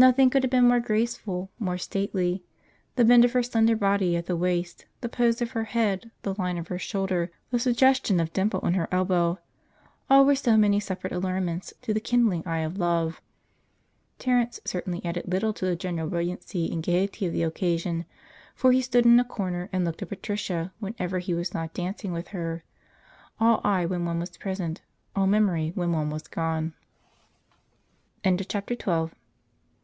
Nothing could have been more graceful, more stately. The bend of her slender body at the waist, the pose of her head, the line of her shoulder, the suggestion of dimple in her elbow all were so many separate allurements to the kindling eye of love. Terence certainly added little to the general brilliancy and gaiety of the occasion, for he stood in a corner and looked at Patricia whenever he was not dancing with her, 'all eye when one was present, all memory when one was gone.' Chapter XIII.